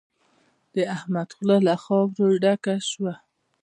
د احمد خوله له خاورو ډکه شوه.